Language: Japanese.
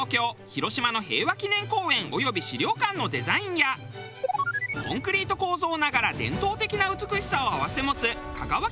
広島の平和記念公園及び資料館のデザインやコンクリート構造ながら伝統的な美しさを併せ持つ。